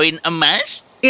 irwin tidak ragu ragu sejauh itu